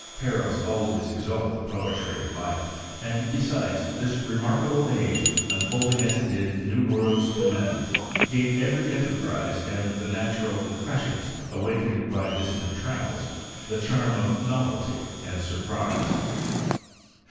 Perils always exalt the po etry of life; and besides, this remarkable age, unfolding as it did new worlds to men, gave every enterprise and the natural impressions awakened by distant travels, the charm of nov elty and surprise."